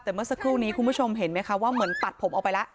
แต่เมื่อสักครู่นี้คุณผู้ชมเห็นไหมคะว่าเหมือนตัดผมออกไปแล้ว